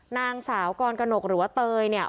นางสาวกรกนกหรือว่าเตยเนี่ย